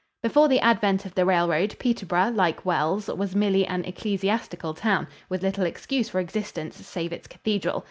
Before the advent of the railroad, Peterborough, like Wells, was merely an ecclesiastical town, with little excuse for existence save its cathedral.